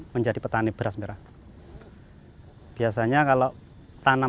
menjadi petani beras merah biasanya kalau tanam